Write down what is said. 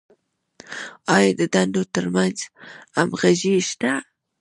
آیا د دندو تر منځ همغږي شته؟